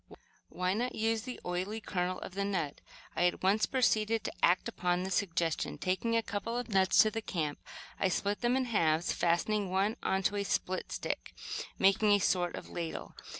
"Why not use the oily kernel of the nut?" I at once proceeded to act upon this suggestion. Taking a couple of nuts to the camp, I split them in halves, fastening one into a split stick, making a sort of ladle.